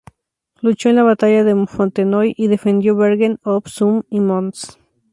Luchó en la Batalla de Fontenoy y defendió Bergen op Zoom y Mons.